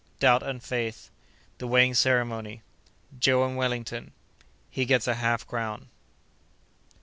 —Doubt and Faith.—The Weighing Ceremony.—Joe and Wellington.—He gets a Half crown.